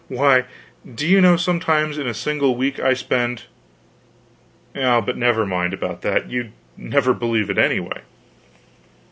Why, do you know, sometimes in a single week I spend but never mind about that you'd never believe it anyway."